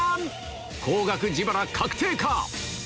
高額自腹確定か。